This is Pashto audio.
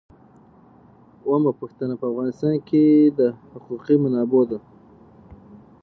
اوومه پوښتنه په افغانستان کې د حقوقي منابعو ده.